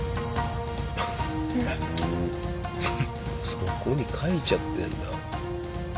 そこに描いちゃってんだ。